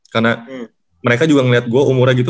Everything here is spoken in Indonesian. karena mereka juga ngeliat gue umurnya gitu